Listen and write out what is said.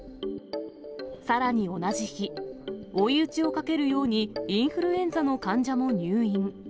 さらに同じ日、追い打ちをかけるように、インフルエンザの患者も入院。